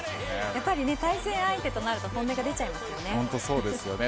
やっぱり対戦相手となると本音が出てしまいますね。